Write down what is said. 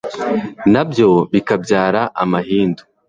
na byo bikabyara amahindu